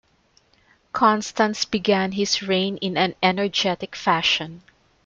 Constans began his reign in an energetic fashion.